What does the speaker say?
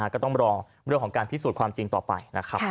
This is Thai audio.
ก็ต้องรอเรื่องของการพิสูจน์ความจริงต่อไปนะครับ